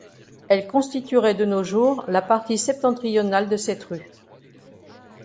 Elle constituerait de nos jours la partie septentrionale de cette rue.